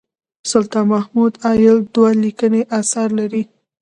سلطان محمد عايل دوه لیکلي اثار لري.